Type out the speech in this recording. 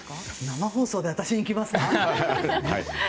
生放送で私にきますか？